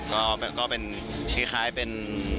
ก็เป็นคล้ายเป็น